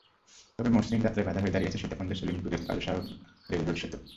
তবে মসৃণ যাত্রায় বাধা হয়ে দাঁড়িয়েছে সীতাকুণ্ডের সলিমপুরের কালুশাহ রেলরোড সেতু।